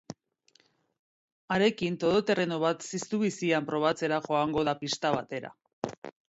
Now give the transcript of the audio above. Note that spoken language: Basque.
Harekin, todoterreno bat ziztu bizian probatzera joango da pista batera.